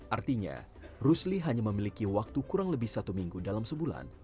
artinya rusli hanya memiliki waktu kurang lebih satu minggu dalam sebulan